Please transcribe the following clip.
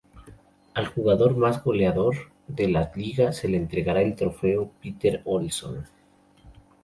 Al jugador más goleador de la liga se le entrega el Trofeo Peter Olson.